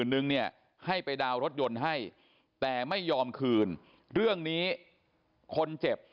นึงเนี่ยให้ไปดาวน์รถยนต์ให้แต่ไม่ยอมคืนเรื่องนี้คนเจ็บ